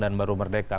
dan baru merdeka